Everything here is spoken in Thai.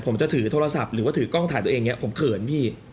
ผมจะถือโทรศัพท์หรือถือกล้องถ่ายตัวเองเนี่ยผมเผินพี่